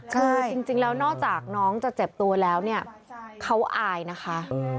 คือจริงแล้วนอกจากน้องจะเจ็บตัวแล้วเนี่ยเขาอายนะคะ